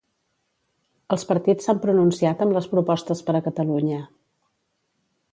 Els partits s'han pronunciat amb les propostes per a Catalunya.